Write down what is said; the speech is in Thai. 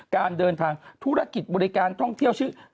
การเดินทางธุรกิจบริการท่องเที่ยวชื่อ